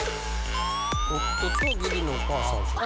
夫と義理のお義母さん。